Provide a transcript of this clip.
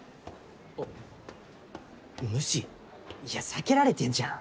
無視？いや避けられてんじゃん。